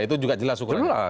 itu juga jelas ukurannya